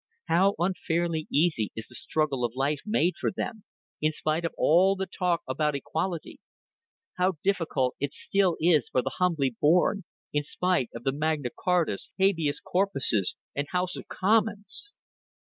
How unfairly easy is the struggle of life made for them, in spite of all the talk about equality; how difficult it still is for the humbly born, in spite of Magna Chartas, habeas corpuses, and Houses of Commons!